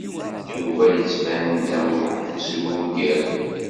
Yuba yettban-d am umeḥbus n umgaru.